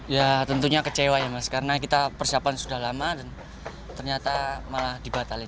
ya tentunya kecewa ya mas karena kita persiapan sudah lama dan ternyata malah dibatalin